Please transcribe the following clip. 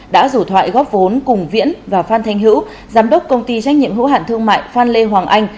đã rủ thoại góp vốn cùng viễn và phan thanh hữu giám đốc công ty trách nhiệm hữu hạn thương mại phan lê hoàng anh